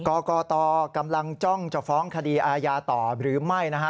กรกตกำลังจ้องจะฟ้องคดีอาญาต่อหรือไม่นะฮะ